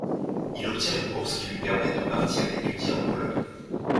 Il obtient une bourse qui lui permet de partir étudier en Pologne.